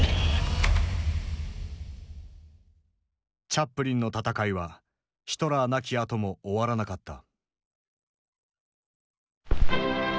チャップリンの闘いはヒトラー亡きあとも終わらなかった。